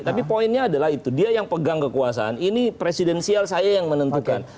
tapi poinnya adalah itu dia yang pegang kekuasaan ini presidensial saya yang menentukan